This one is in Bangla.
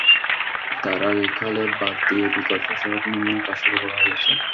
তার আগে খালে বাঁধ দিয়ে বিকল্প সড়ক নির্মাণের কাজ শুরু করা হয়েছে।